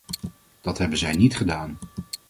Dat hebben zij niet gedaan.